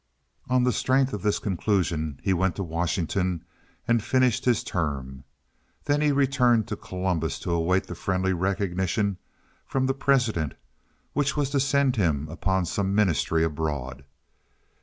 On the strength of this conclusion he went to Washington and finished his term. Then he returned to Columbus to await the friendly recognition from the President which was to send him upon some ministry abroad.